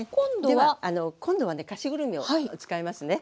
では今度はね菓子ぐるみを使いますね。